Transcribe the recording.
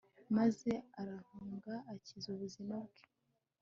maze arahunga akiza ubuzima bwe